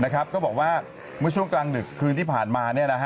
ก็บอกว่าเมื่อช่วงกลางดึกคืนที่ผ่านมา